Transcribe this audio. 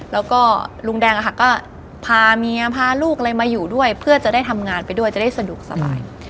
แล้วก็ลุงแดงอะค่ะก็พาเมียพาลูกอะไรมาอยู่ด้วยเพื่อจะได้ทำงานไปด้วยจะได้สะดวกสบาย